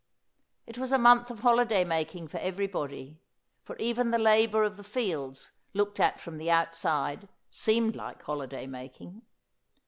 It was a month of holiday making for everybody — for even the labour of the fields, looked at from the outside, seemed like holiday making.